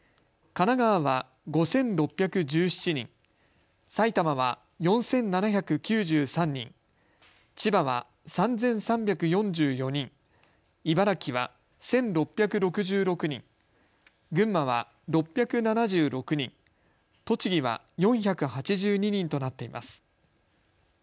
神奈川は５６１７人、埼玉は４７９３人、千葉は３３４４人、茨城は１６６６人、群馬は６７６人、栃木は４８２人となっています。